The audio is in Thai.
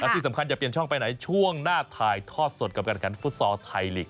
แล้วที่สำคัญจะเปลี่ยนช่องไปไหนช่วงหน้าทายทอดสดกับการการฟุตซอลไทยหลีก